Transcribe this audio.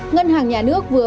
ngân hàng nhà nước